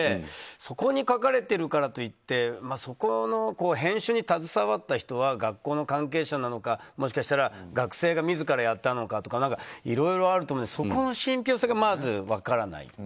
そこに書かれているからといってそこの編集に携わった人は学校の関係者なのかもしかしたら学生が自らやったのかとかいろいろあると思うのでそこの信ぴょう性がまず分からない。